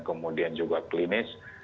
kemudian juga klinis